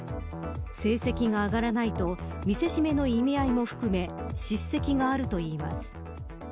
成績が上がらないと見せしめの意味合いも含め叱責があるといいます。